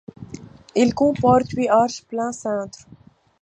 Il comporte huit arches plein cintre.